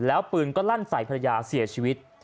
แล้วปืนก็ลั่นใส่ภรรยาเสียชีวิต